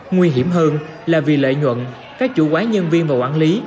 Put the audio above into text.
nguy hiểm hơn là vì lợi nhuận các chủ quán nhân viên và quản lý